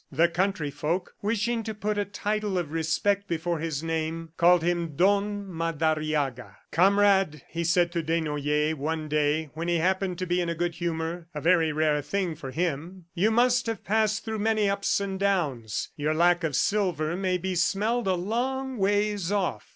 The country folk, wishing to put a title of respect before his name, called him Don Madariaga. "Comrade," he said to Desnoyers one day when he happened to be in a good humor a very rare thing for him "you must have passed through many ups and downs. Your lack of silver may be smelled a long ways off.